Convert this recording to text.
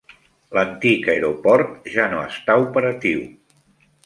L'antic aeroport ja no està operatiu.